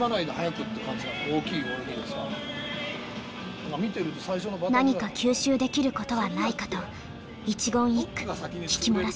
何か吸収できることはないかと一言一句聞き漏らしません。